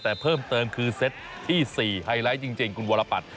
แต่เพิ่มเติมคือเซตที่๔ไฮไลท์จริงคุณวรปัตร